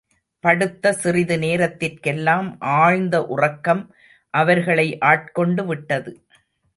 படுத்த சிறிது நேரத்திற்கெல்லாம் ஆழ்ந்த உறக்கம் அவர்களை ஆட்கொண்டு விட்டது.